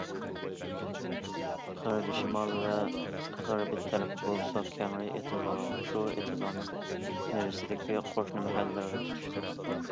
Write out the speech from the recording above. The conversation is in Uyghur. غەربى شىمال ۋە غەرب تەرىپى بولسا كەڭرى ئېتىزلارغا، شۇ ئېتىزلارنىڭ نېرىسىدىكى قوشنا مەھەللىلەرگە تۇتىشىدۇ.